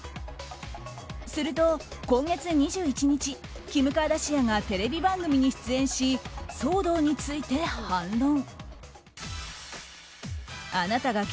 すると今月２１日キム・カーダシアンがテレビ番組に出演し騒動について反論。